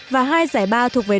và hai giải ba thuộc đồ sơn i